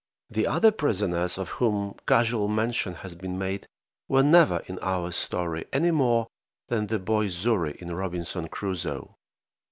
The other prisoners, of whom casual mention has been made, were never in our story, any more than the boy Xury in "Robinson Crusoe."